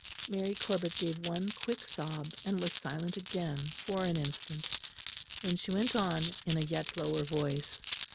Mary Corbet gave one quick sob, and was silent again for an instant. Then she went on in a yet lower voice.